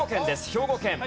兵庫県。